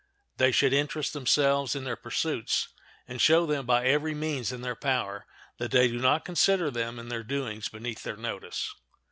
They should interest themselves in their pursuits, and show them by every means in their power that they do not consider them and their doings beneath their notice.